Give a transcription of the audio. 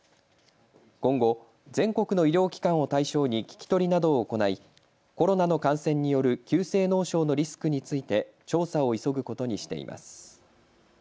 今後、全国の医療機関を対象に聞き取りなどを行いコロナの感染による急性脳症のリスクについて調査を急ぐことにしています。